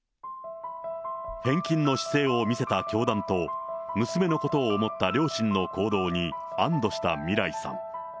返金の姿勢を見せた教団と、娘のことを思った両親の行動に、安どしたみらいさん。